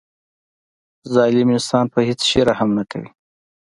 ظالم انسان په هیڅ شي رحم نه کوي.